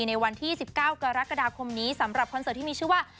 ในวันที่๑๙กรกฎาคมนี้สำหรับคอนเสิร์ตที่มีชื่อว่า